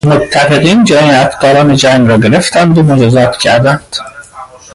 متفقین جنایتکاران جنگ را گرفتند و مجازات کردند.